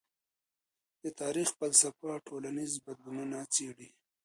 د تاریخ فلسفه ټولنیز بدلونونه څېړي.